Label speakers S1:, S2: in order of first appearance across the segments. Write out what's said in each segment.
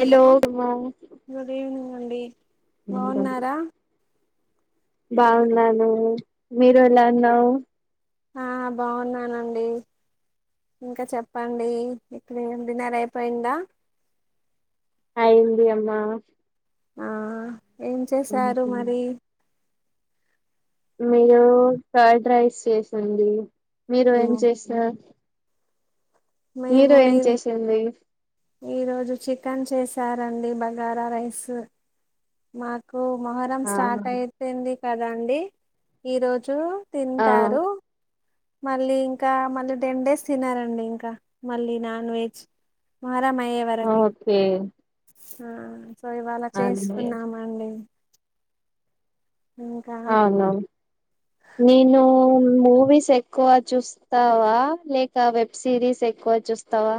S1: Hello
S2: hello
S1: good evening అండి బావున్నారా
S2: బాగున్నాను మీరు ఎలా ఉన్నావు
S1: ఆ బాగున్నానండి ఇంకా చెప్పండి ఇప్పుడే డిన్నర్ అయిపోయిందా
S2: అయింది అమ్మా
S1: ఆ ఏం చేసారు మరి
S2: మీరు ఫ్రైడ్ రైస్ చేసుండి మీరు
S1: ఆ
S2: ఏం చేస
S1: మేము ఏదో
S2: చేసింది
S1: ఈ రోజు చికెన్ చేసారండి బగారా రైస్ మాకు మొహరం స్టార్ట్
S2: ఆ
S1: అయిపోయింది కదండి ఈరోజు తింటారు మళ్ళీ ఇంకా మళ్ళీ టెన్ డేస్ తినారండి ఇంకా మళ్ళీ నాన్ వెజ్ మొహర్రం అయే వరికి
S2: సేమ్
S1: ఆ సో ఇవాళ
S2: అండి
S1: చేసుకున్నామండి ఇంకా
S2: నేను మూవీస్ ఎక్కువ చూస్త స్తావా లేక వెబ్ సిరీస్ ఎక్కువ చూస్తావా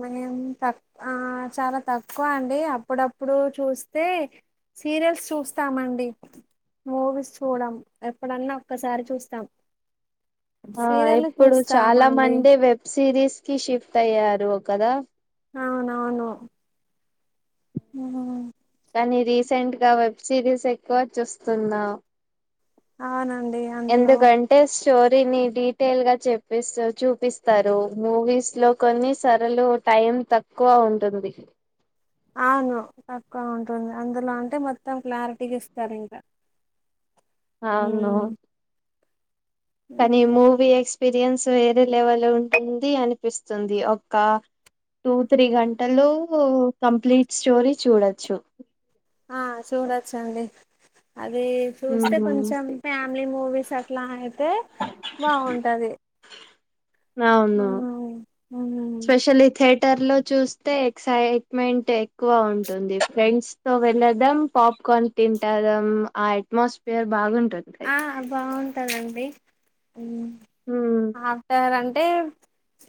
S1: మేం తక్ ఆ చాలా తక్కువ అండి అప్పుడప్పుడు చూస్తే సీరియల్స్ చూస్తామండి మూవీస్ చూడం ఎప్పుడన్నా ఒక్కసారి చూస్తాం
S2: ఆ
S1: సీరియల్
S2: ఇప్పుడు చాలా
S1: చూస్తామండి
S2: మంది వెబ్ సిరీస్ కి షిఫ్ట్ అయ్యారు ఒ కదా
S1: అవునవును ఉమ్
S2: కానీ రీసెంట్ గా వెబ్ సిరీస్ ఎక్కువ చూస్తున్నాం
S1: అవునండి అందులో
S2: అంటే స్టోరీని డీటెయిల్ గా చెపెస్త చూపిస్తారు మూవీస్ లో కొన్ని సరలు టైం తక్కువ ఉంటుంది
S1: అవును తక్కువ ఉంటుంది అందులో అంటే మొత్తం క్లారిటీకి ఇస్తారు ఇంకా
S2: అవును
S1: హ్మ్.
S2: కానీ
S1: హ్మ్.
S2: మూవీ ఎక్స్పీరియన్స్ వేరే లెవెల్ ఉంటుంది అనిపిస్తుంది ఒక టూ త్రీ గంటలు కంప్లీట్ స్టోరీ చూడొచ్చు
S1: ఆ చూడచ్చండి అది చూస్తే
S2: ఉమ్,
S1: కొంచెం ఫ్యామిలీ మూవీస్ అట్లా అయితే బాగుంటది
S2: అవును స్పెషలీ థియేటర్ లో చూస్తే ఎక్సైట్మెంట్ ఎక్కువ ఉంటుంది ఫ్రెండ్స్ తో వెళ్ళడం పాప్కార్న్ తింటడం ఆ అట్మాోస్ఫియర్ బాగుంటుంది
S1: ఆ బాగుంటదండి
S2: హ
S1: ఆఫ్టర్ అంటే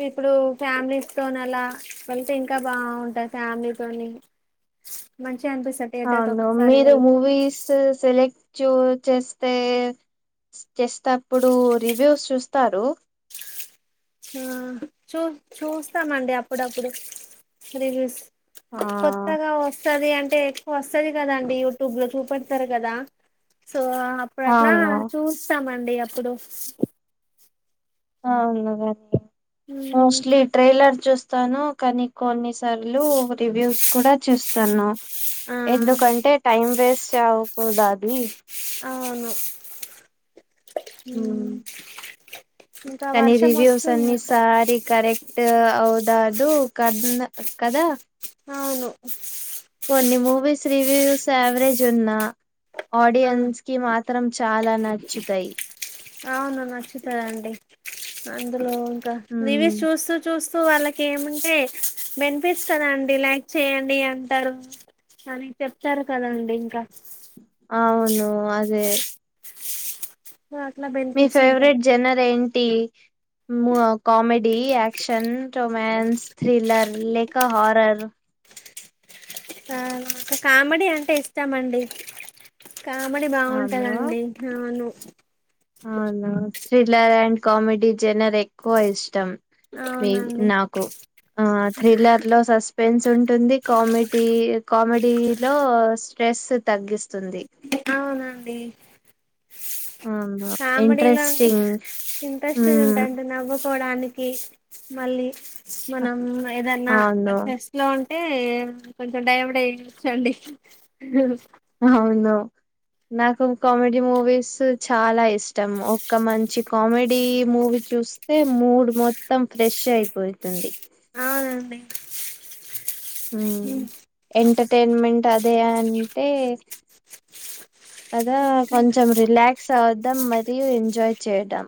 S1: ఇప్పుడు ఫ్యామిలీస్ తోని అలా వెళ్తే ఇంకా బాగుంటది ఫ్యామిలీ తోని మంచిగా అనిపిస్తది
S2: అవును
S1: ఒకసారి
S2: మీరు
S1: వెళ్తే
S2: మూవీస్ సెలెక్ట్ూ చేస్తే చేస్తేప్పుడు రివ్యూస్ చూస్తారు
S1: ఆ చూ చూస్తామండి అప్పుడప్పుడు రివ్యూస్
S2: ఆ
S1: కొత్తగా వస్తది అంటే ఎక్కువ వస్తది కదండి యూట్యూబ్ లో చూప వతారు కదా సో అప్పుడు అట్లా
S2: అవును
S1: చూస్తామండి అప్పుడు
S2: అవునా
S1: మ్మ్
S2: మోస్ట్లీ ట్రైలర్ చూస్తాను కానీ కొన్ని సార్లు రివ్యూస్ కూడా చూస్తాను
S1: ఆ
S2: ఎందుకంటే టైం వేస్ట్ దాది
S1: అవును
S2: మ్మ్
S1: ఇంకా వర్షం వస్తుంది
S2: సార కర [unintelligible] అవుదదు కన్న కద
S1: అవును
S2: కొన్ని మూవీస్ రివ్యూస్ యావరేజ్ ఉన్నా ఆడియన్స్
S1: ఆ
S2: ఆడియోన్స్ కి మాత్రం చాలా నచ్చుతాయి
S1: అవును నచ్చుతయండి అందులో ఇంకా
S2: ఉమ్
S1: రివ్యూస్ చూస్తూ చూస్తూ వాళ్ళకి ఏమంటే బెనిఫిట్స్ కదా అండి లైక్ చేయండి అంటారు అని చెప్తారు కదండి ఇంకా
S2: అవును అదే
S1: అట్లా
S2: మీ
S1: బెనిఫిట్స్ ఉంటాయి
S2: ఫేవరెట్ జనర్ ఏంటి కామెడీ యాక్షన్ రోమాన్స్ థ్రిలర్ లేక హారర్
S1: కామెడీ అంటే ఇస్టమండి కామెడీ
S2: అవును
S1: బాగుంటదండి అవును
S2: అవునా థ్రిల్లర్ అండ్ కామెడీ జనర్ ఎక్కువ ఇష్టం మీ
S1: అవునండి
S2: నాకు ఆ ్రిలర్ లో సస్ స్న్స్ ఉంటుంది కామెడీ కామెడీ లో స్ట్రెస్ తగ్గిస్తుంది
S1: అవునండి
S2: అనా ఇంట్రెస్టింగ్
S1: ఇంట్రెస్ట్ గ
S2: మ్మ్
S1: ఉంటాయి అంటే నవ్వుకోవడానికి మళ్ళీ మనం ఏదన్నా
S2: అవును
S1: ఇట్లో ఉంటే కొంచెం డైవర్డ్ అయచ్చండి
S2: అవున నాకు కామెడీ మూవీస్ చాలా ఇష్టం ఒక్క మంచి కామెడీ మూవీ చూ స్తే మూడ్ మొత్తం ఫ్రెష్ అయిపోతుంది
S1: ఆ అండి
S2: మ్మ్ ఎంటర్టైన్మెంట్ అదే అంటే అద
S1: ఇంకా
S2: కొంచెం రిలాక్స్ అవద్దాం మరియు ఎంజాయ్ చేయడం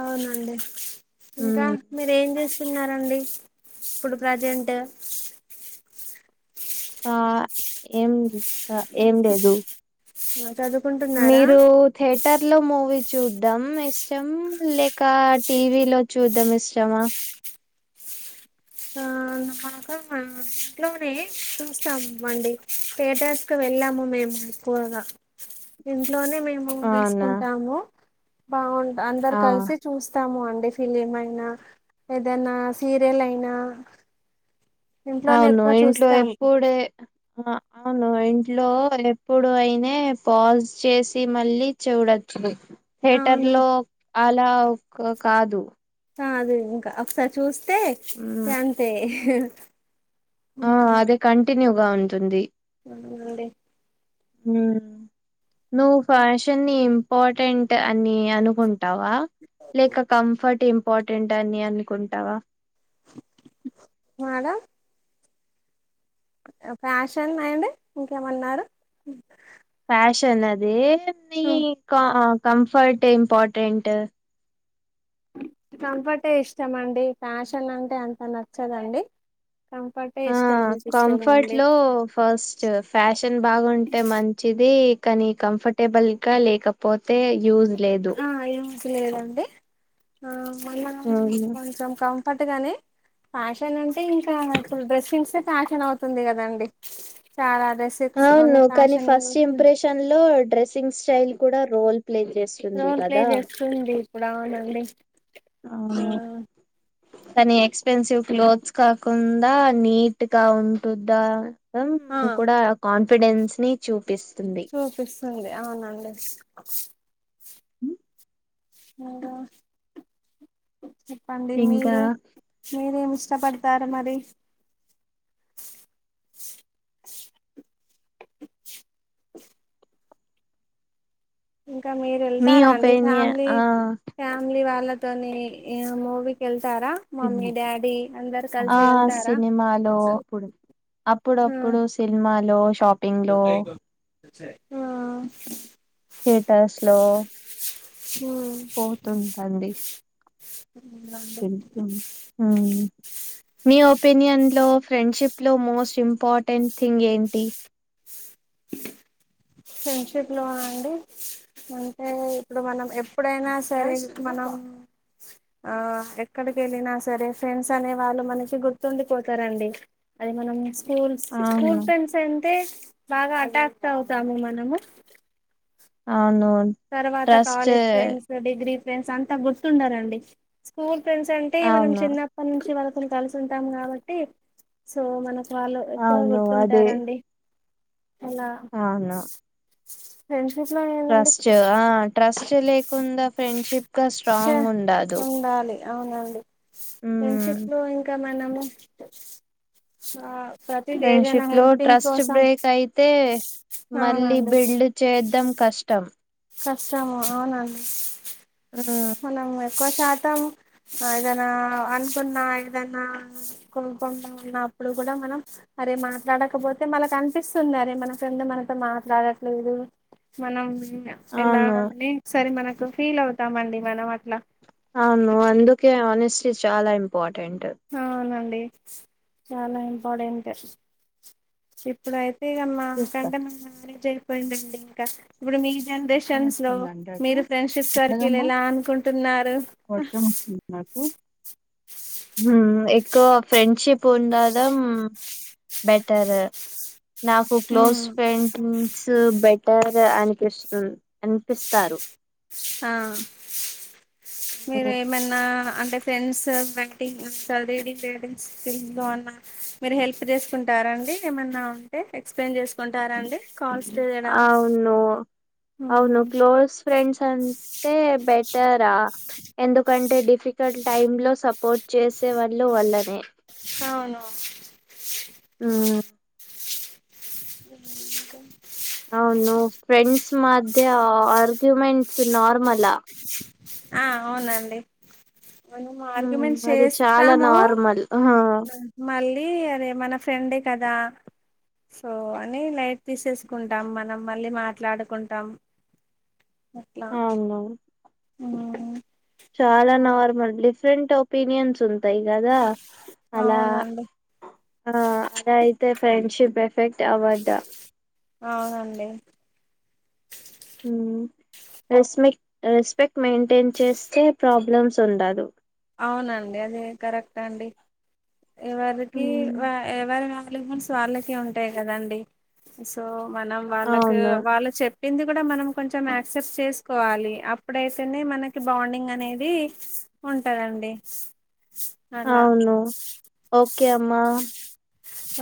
S1: అవునండి ఇంకా
S2: మ్మ్
S1: మీరు ఏం చేస్తున్నారండి ఇప్పుడు ప్రజెంట్
S2: ఆ ఏం ఏం లేదు
S1: మాటాడు
S2: మీరు థియేటర్లో మూవీ చూడడం ఇష్టం లేక టీవీలో చూడడం ఇష్టమా
S1: ఆ మాకు మా ఇంట్లోనే చూస్తాము అండి థియేటర్స్ కి వెళ్ళాము మేము ఎక్కుగా ఇంట్లోనే మేము
S2: అవునా
S1: వేసుకుంటాము బాగు అందరు
S2: ఆ
S1: కలిసి చూస్తాము అండి ఫిలిమ్ అయినా ఏదైనా సీరియల్ అయినా ఇంట్లోనే
S2: అవును
S1: ఎక్కువ
S2: ఇంట్లో
S1: చూస్తాము
S2: ఎప్పుడే అవును ఇంట్లో ఎప్పుడు అయినా పాజ్ చేసి మళ్ళీ చూడచ్చు థేటర్
S1: అవును
S2: లో అలా ఒక కాదు
S1: అద ఇంకా ఒకసారి చూస్తే
S2: ఉమ్,
S1: అంతే
S2: దే కంటిన్యూగా ఉంటుంది
S1: ఉంది
S2: ఉమ్ నువ్ ఫ్యాషన్ని పార్టెంట్ అని అనుకుంటావా లేక కంఫర్ట్ ఇం పార్టెంట్ అని అనుకుంటావా
S1: మడ ఫ్యాషన్ అండి ఇంకేమన్నారు
S2: ఫ్యాషన్ అది న కంఫర్ట్ ఇంపార్టెంట్
S1: కంఫర్టే ఇష్టమ అండి ఫ్యాషన్ అంటే అంత నచ్చదండి కంఫర్ట్ టె
S2: ఆ
S1: ఇష్టం
S2: కంఫర్ట్
S1: అనిపిస్తదండి
S2: లో ఫస్ట్ ఫ్యాషన్ బాగుంటే మం వచ్చిది కానీ కంఫర్టబుల్ గా లేకపోతే యూజ్ లేదు
S1: ఏమ లేదండి ఆ మన
S2: అవును
S1: కొంచెం కంఫర్ట్గానే ఫ్యాషన్ అంటే ఇంకా డ్రెస్సింగ్స్ ఫ్యాషన్ అవుతుంది కదండి చాలా డ్రెస్ సక్స్ను
S2: అవును, కానీ
S1: ఫ్యాషన్
S2: ఫస్ట్ ఇంప్రెషన్ లో డ్రెస్సింగ్ స్టైల్ కూడా రోల్ ప్లే చేస్తు
S1: రోల్ ప్లే చేస్తుంది ఇప్పుడు అవునండి ఆ
S2: అవు కానీ ఎక్స్పెన్సివ్ క్లోత్స్ కాకుండా నీట్ గా ఉంటుందా
S1: ఆ
S2: మొత్తం కూడా కాన్ఫిడెన్స్ ని చూపిస్తుంది
S1: చూపిస్తుంది అవునండి మీరు చెప్పండి
S2: ఇంకా
S1: మీరు మీరేమి ఇష్టపడతారు మరి ఇంకా మీరు
S2: మీ
S1: వెళ్తారా అండి
S2: ఒపీనియన్
S1: ఫ్యామిలీ
S2: ఆ
S1: ఫ్యామిలీ వాళ్ళతోని ఇ మూవీకేళ్తారా
S2: ఆ
S1: వెళ్తారా
S2: సినిమాలు అప్పుడప్పుడు స్ సినిమాలు షాప్
S1: ఆ
S2: థియేటర్స్లో
S1: హ్మ్
S2: పోతుంటండి ఉమ్ మీ ఒపీనియన్ లో ఫ్రెండ్షిప్ లో మోస్ట్ ఇంపార్టెంట్ థింగ్ ఏంటి
S1: ఫ్రెండ్షిప్ లో అండి అంటే ఇప్పుడు మనం ఎప్పుడైనా సరే మనం ఆ ఎక్కడికెళ్ళినా సరే ఫ్రెండ్స్ అనే వాళ్ళు మనకి గుర్తుండిపోతరండి అది మనం స్కూల్స్
S2: అవును
S1: స్కూల్ ఫ్రెండ్స్ అంటే బాగా అటాక్ట్ అవుతాము మనము
S2: అవునున్
S1: తర్వాత కాలేజ్ ఫ్రెండ్స్ డిగ్రీ ఫ్రెండ్స్ అంత గుర్తుండరండి స్కూల్ ఫ్రెండ్స్ అన్ టే మనం
S2: అవును
S1: చిన్నప్పటి నుంచి వాళ్ళతొని కలిసి ఉంటాం కాబట్టి సో మనక్ వాళ్ళు ఎక్కువ
S2: అవును అదే
S1: గుర్తుంటారండి అలా
S2: అవును
S1: ఫ్రెండ్షిప్ లో ఏందండి
S2: ట్రస్ట్ ఆ ట్రస్ట్ లేకుండ ఫ్రెండ్షిప్ గ స్ట్రాంగ్ ఉండాదు
S1: ఉండాలి అవునండి ఫ్రెండ్షిప్ లో ఇంక మనము ఆ ప్రతిది ఏదైనా
S2: ఫ్రెండ్షిప్ లో
S1: హెల్పింగ్
S2: ట్రస్ట్
S1: కోసం
S2: బ్రేక్ అయితే మళ్ళీ
S1: అవునండి
S2: బిల్డ్ చేద్దం కష్టం
S1: కష్టము అవునండి
S2: ఉమ్
S1: మనం ఎక్కువ శాతం ఏదనా అనుకున్న ఏదన్నా కొనుకున్నా ఉన్నప్పుడు కూడ మనం అరే మాట్లాడకపోతే మనకు అనిపిస్తుంది అరే మన ఫ్రెం మనతో మాట్లాడట్లేదు మనం
S2: అవును
S1: ఎలాని క్సరి మనకు ఫీల్ అవుతామండి మనం అట్లా
S2: అవును అందుకే హానెస్టీ చాలా ఇంపార్టెంట్
S1: అవునండి చాలా ఇంపార్టెంట్ ఇప్పుడైత్
S2: చెప్తా
S1: ఇగమాకంటే మాకు మ్యారేజ్ అయిపోయిందండి ఇంక ఇప్పుడు మీ
S2: వర్షం
S1: జనరేషన్స్ లో
S2: వస్తుందండి అటు
S1: మీరు ఫ్రెండ్షిప్ సర్కిల్ ఎలా అనుకుంటున్నారు
S2: హ్మ్ ఎక్కువ ఫ్రెండ్షిప్ పొందడం బెటర్ నాకు close
S1: um
S2: friends better అపిస్తున్ అనిపిస్తారు
S1: ఆ మీరు ఏమన్నా అంటే ఫ్రెండ్స్ బాటింగ్ స్టడీ [unintelligible] ఫీల్డ్ లో అన్నా మీరు హెల్ప్ చేసుకుంటారండి ఏమన్నా ఉంటే ఎక్స్ప్లెయిన్ జేసుకుంటారండి కాల్స్ టే
S2: ఆవును అవును క్లో క్లోజ్ ఫ్రెండ్స్ అంటె బెటరా ఎందుకంటే డిఫికల్ట్ టైమ్ లో సపోర్ట్ చేసే వళ్ళు వళ్లనే
S1: అవును
S2: ఉమ్
S1: ఉ
S2: అవును ఫ్రెండ్స్ మధ్య ఆర్గ్యుమెంట్స్ నార్మల
S1: ఆ అవునండి మనం
S2: ఉమ్,
S1: ఆర్గ్యుమెంట్
S2: అది చాలా
S1: చేస్తాము
S2: నార్మల్
S1: మళ్ళీ అదే మన ఫ్రెండే కదా సో అని లైట్ తీసేసుకుంటాం మనం మళ్ళీ మాట్లాడుకుంటాం అట్లా
S2: అవును
S1: ఆ
S2: చాలా నార్మల్ డిఫరెంట్ ఒపీనియన్స్ ఉంటాయి కదా అలా
S1: అవునండి
S2: ఆ అలా అయితే ఫ్రెండ్షిప్ ఎఫెక్ట్ అవ్వదా
S1: అవునండి
S2: ఉమ్ రెస్పెక్ట్ రెస్పెక్ట్ మెయింటైన్ చేస్తే ప్రాబ్లమ్స్ ఉండదు
S1: అవునండి అదే కరెక్ట్ అండి ఎవరికి
S2: ఉమ్,
S1: ఎవరి వాళ్ళు మస్ వాళ్ళకి ఉంటాయి కదండి సో మనం వాళ్ళకు
S2: అవును
S1: వాళ్ళు చెప్ పింది కూడా మనం కొంచెం యాక్సెప్ట్ చేసుకోవాలి అప్పుడైతేనే మనకి బాండింగ్ అనేది దండి
S2: అవును ఓకే అమ్మా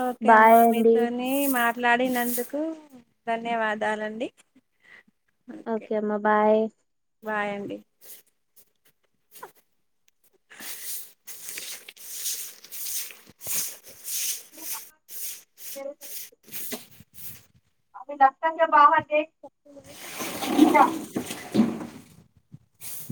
S1: ఓకే
S2: బాయ్
S1: అమ్మా
S2: అండి
S1: మీతోని మాట్లాడినందుకు ధన్యవాదాలండి
S2: ఓకే అమ్మా బాయ్
S1: బాయండి
S2: [unintelligible]